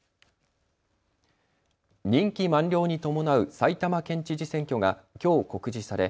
任期満了に伴う埼玉県知事選挙がきょう告示され